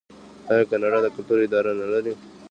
آیا کاناډا د کلتور اداره نلري؟